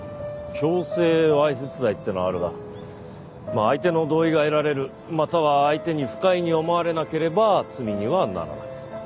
「強制わいせつ罪」っていうのはあるが相手の同意が得られるまたは相手に不快に思われなければ罪にはならない。